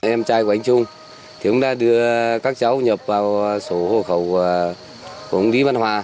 em trai của anh trung chúng ta đưa các cháu nhập vào sổ hộ khẩu của ông lý văn hòa